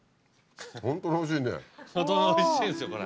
ホントにおいしいんですよこれ。